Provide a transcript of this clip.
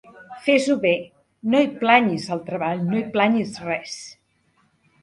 Fes-ho bé: no hi planyis el treball, no hi planyis res.